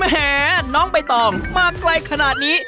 แหมน้องใบตองมาไกลขนาดนี้